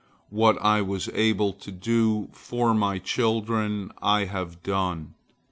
What I was able to do for my children I have done.